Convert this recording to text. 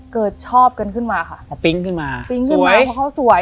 ชอบกันขึ้นมาค่ะพอปิ๊งขึ้นมาปิ๊งขึ้นมาเพราะเขาสวย